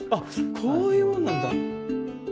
こういうもんなんだ。